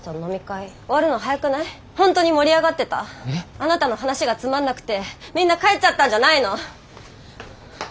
あなたの話がつまんなくてみんな帰っちゃったんじゃないの？